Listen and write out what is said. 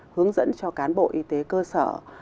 hướng dẫn cho cán bộ y tế cơ sở